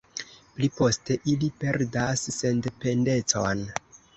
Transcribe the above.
Pli poste ili perdas sendependecon.